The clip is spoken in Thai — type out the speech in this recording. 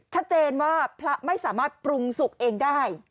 ชัดเจนว่าพระไม่สามารถปรุงสุกเองได้